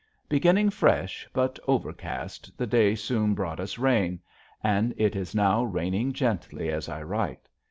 Beginning fresh but overcast the day soon brought us rain, and it is now raining gently as I write.